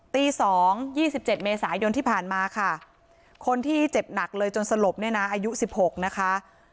ตี๒๒๗เมษายนที่ผ่านมาค่ะคนที่เจ็บหนักเลยจนสลบเนี่ยนะอายุ๑๖นะคะ